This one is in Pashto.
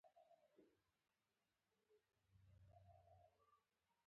که ګنهکار يمه د خدای یم- دا د نبي امت مې ولې ګرموینه